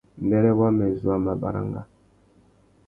Mbêrê wamê zu a mà baranga.